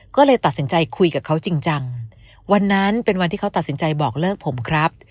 ก็เลยตัดสินใจคุยกับเขาจริงจังวันนั้นเป็นวันที่เขาตัดสินใจบอกเลิกผมครับ